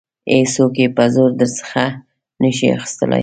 هیڅوک یې په زور درڅخه نشي اخیستلای.